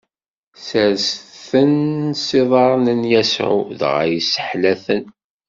Sersen-ten s iḍarren n Yasuɛ, dɣa yesseḥla-ten.